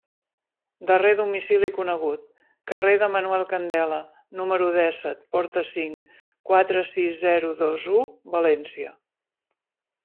Darrer domicili conegut: carrer de Manuel Candela, número dèsset, porta cinc, quatre sis zero dos u, València.